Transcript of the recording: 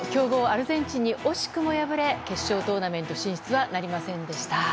アルゼンチンに惜しくも敗れ決勝トーナメント進出はなりませんでした。